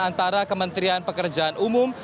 antara kementerian pekerjaan umum